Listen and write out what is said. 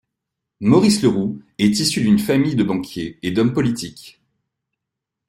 Maurice Le Roux est issu d'une famille de banquiers et d'hommes politiques.